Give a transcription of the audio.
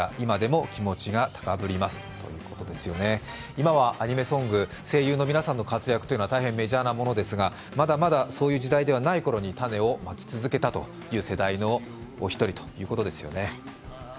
今はアニメソング、声優の皆さんの活躍というのは大変メジャーなものですがまだまだそういう時代ではない頃種をまき続けたという世代のお一人ということですよね。